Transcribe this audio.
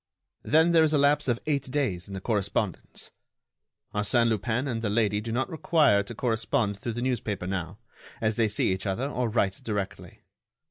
Then there is a lapse of eight days in the correspondence. Arsène Lupin and the lady do not require to correspond through the newspaper now, as they see each other or write directly.